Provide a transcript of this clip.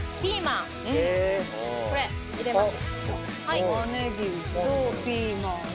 これ入れます。